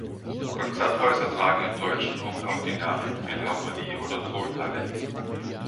Konzerthäuser tragen im Deutschen oft auch die Namen Philharmonie oder Tonhalle.